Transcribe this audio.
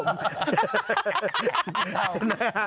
นะครับผม